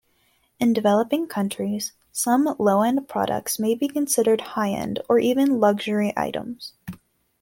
In developing countries, some low-end products may be considered high-end or even luxury items.